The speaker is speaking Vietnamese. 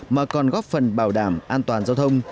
mà còn góp phần bảo đảm an toàn giao thông